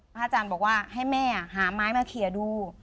อาจารย์บอกว่าให้แม่หาไม้มาเขียนดู